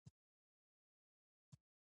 او دا بهير دومره خپور وور دى